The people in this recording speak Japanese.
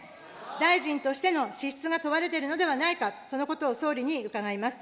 大臣としての資質が問われてるのではないか、そのことを総理に伺います。